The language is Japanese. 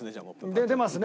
出ますね。